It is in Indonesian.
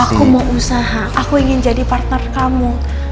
aku mau usaha aku ingin jadi partner kamu